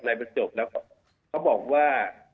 นายประจบแล้วเขาบอกว่า